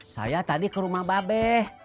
saya tadi ke rumah babe